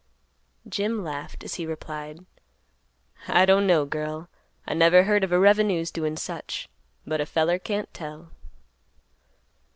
Jim laughed, as he replied, "I don't know, girl; I never heard of a revenue's doin' such. But a feller can't tell."